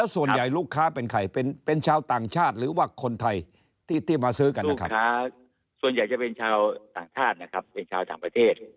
ส่วนใหญ่จะเป็นชาวต่างชาติเป็นชาวต่างประเทศ